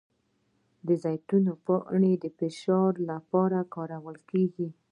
د زیتون پاڼې د فشار لپاره کارول کیږي؟